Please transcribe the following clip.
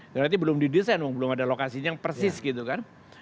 berarti belum didesain belum ada lokasinya yang persis gitu kan